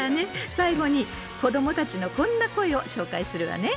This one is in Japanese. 最後に子どもたちのこんな声を紹介するわね。